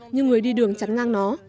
như người đi đường chắn ngang nó